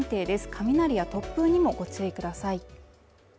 雷や突風にもご注意ください。